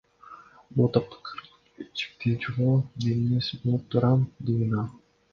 Бул таптакыр чектен чыгуу, мен нес болуп турам, — деген ал.